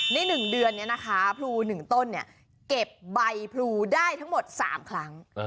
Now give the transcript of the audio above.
ใน๑เดือนนี้นะคะพลู๑ต้นเก็บใบพลูได้ทั้งหมด๓ครั้ง